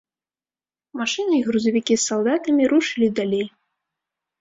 Машыны і грузавікі з салдатамі рушылі далей.